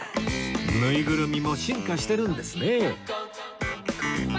ぬいぐるみも進化してるんですね